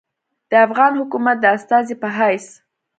د افغان حکومت د استازي پۀ حېث